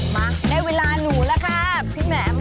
มาได้เวลาหนูแล้วค่ะพี่แหม่ม